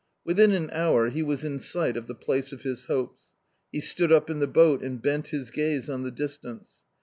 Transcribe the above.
Within an hour he was in sight of the place of his hopes ; hestood up in the boat and bent his gaze on the distance.